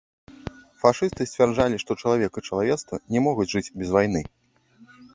Фашысты сцвярджалі, што чалавек і чалавецтва не могуць жыць без вайны.